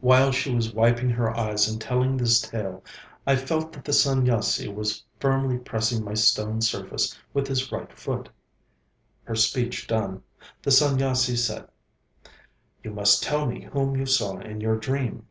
While she was wiping her tears and telling this tale, I felt that the Sanyasi was firmly pressing my stone surface with his right foot. Her speech done, the Sanyasi said: 'You must tell me whom you saw in your dream.'